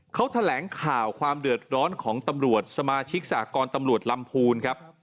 เขาแถลงข่าวความเดือดร้อนของตำรวจสมาชิกสากรตำรวจลำพูนครับ